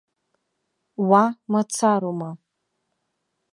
Уа мацароума.